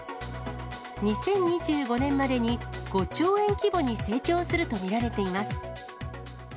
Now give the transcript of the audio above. ２０２５年までに５兆円規模に成長すると見られています。